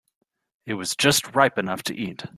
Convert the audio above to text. It was just ripe enough to eat.